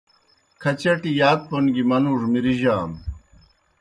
کھچٹیْ یات پوْن گیْ منُوڙوْ مِرِجانوْ۔